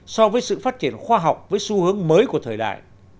so với sự phát triển khoa học với xu hướng mới của thời đại